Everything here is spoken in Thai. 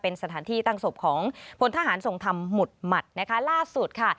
เป็นสถานที่ตั้งศพของพลทหารทรงธรรมหมุดหมัดนะคะล่าสุดค่ะ